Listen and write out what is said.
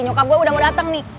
nyokap gue udah mau datang nih